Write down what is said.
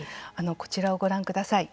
こちらをご覧ください。